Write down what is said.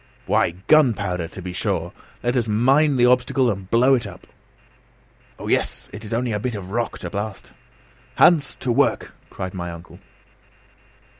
"Why gunpowder, to be sure! Let us mine the obstacle and blow it up." "Oh, yes, it is only a bit of rock to blast!" "Hans, to work!" cried my uncle.